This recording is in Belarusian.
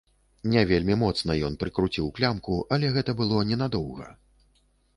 Не вельмі моцна ён прыкруціў клямку, але гэта было ненадоўга.